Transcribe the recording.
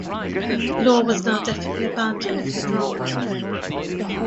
The law was now definitely abandoned for the drama.